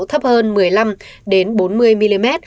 thấp hơn một mươi năm bốn mươi mm